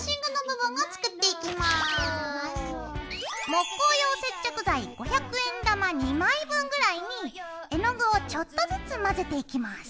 木工用接着剤５００円玉２枚分ぐらいに絵の具をちょっとずつ混ぜていきます。